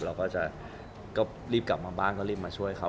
เราก็จะรีบกลับมาบ้านก็รีบมาช่วยเขา